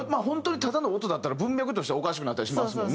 本当にただの音だったら文脈としてはおかしくなったりします